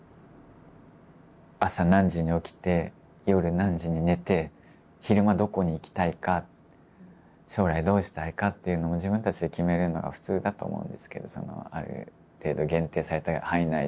朝何時に起きて夜何時に寝て昼間どこに行きたいか将来どうしたいかっていうのも自分たちで決めるのが普通だと思うんですけどある程度限定された範囲内だとしても。